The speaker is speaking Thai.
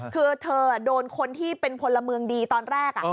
คือเธอโดนคนที่เป็นพลเมืองดีตอนแรก